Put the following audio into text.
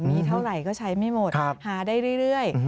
มีเท่าไหร่ก็ใช้ไม่หมดหาได้เรื่อย